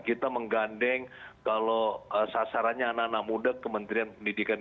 kita menggandeng kalau sasarannya anak anak muda kementerian pendidikan